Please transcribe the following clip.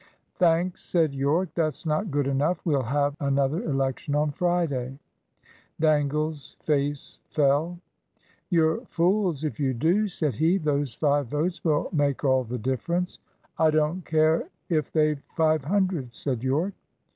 "Thanks," said Yorke, "that's not good enough. We'll have another election on Friday." Dangle's face fell. "You're fools if you do," said he. "Those five votes will make all the difference." "I don't care if they've five hundred," said Yorke.